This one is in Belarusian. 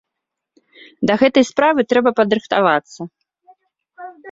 Да гэтай справы трэба падрыхтавацца.